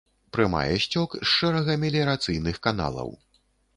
Прымае сцёк з шэрага меліярацыйных каналаў.